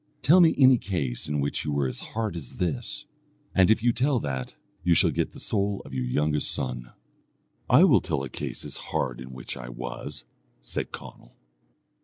Tell me any case in which you were as hard as this, and if you tell that, you shall get the soul of your youngest son." "I will tell a case as hard in which I was," said Conall.